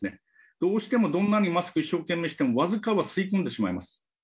どうしても、どんなにマスク一生懸命しても、僅かは吸い込んでしまいます。